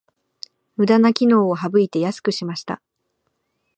ムダな機能を省いて安くしました